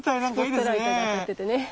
スポットライトが当たっててね。